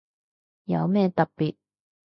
冇咩特別